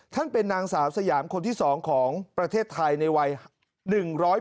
ท่านเป็นนางสาวสยามคนที่สองของประเทศไทยในวัย